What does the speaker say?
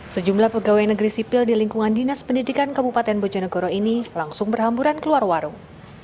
sejumlah pegawai negeri sipil di lingkungan dinas pendidikan kabupaten bojonegoro ini langsung berhamburan keluar warung